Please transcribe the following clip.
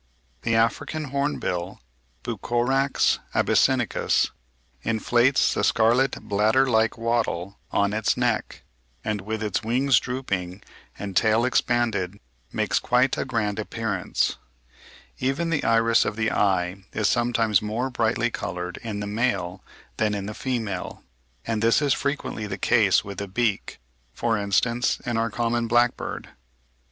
The African hornbill (Bucorax abyssinicus) inflates the scarlet bladder like wattle on its neck, and with its wings drooping and tail expanded "makes quite a grand appearance." (63. Mr. Monteiro, 'Ibis,' vol. iv. 1862, p. 339.) Even the iris of the eye is sometimes more brightly coloured in the male than in the female; and this is frequently the case with the beak, for instance, in our common blackbird.